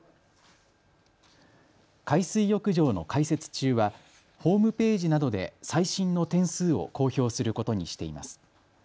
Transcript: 海水浴場の開設中はホームページなどで最新の点数を公表することにしています。